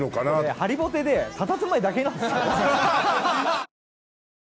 張りぼてでたたずまいだけなんすよ。